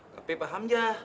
tapi pak hamzah